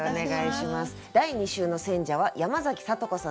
第２週の選者は山崎聡子さんです。